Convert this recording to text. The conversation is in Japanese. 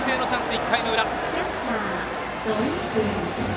１回の裏。